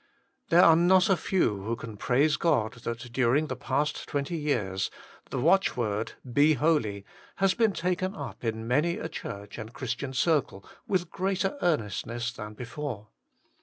There are not a few who can praise God that during the past twenty years the watchword BE HOLY has been taken up in many a church and Christian circle with greater earnestness than before.